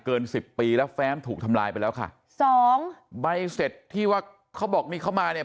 สิบปีแล้วแฟ้มถูกทำลายไปแล้วค่ะสองใบเสร็จที่ว่าเขาบอกนี่เขามาเนี่ย